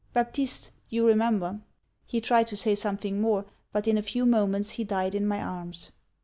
Baptist you remember " 'He tried to say something more; but in a few moments he died in my arms.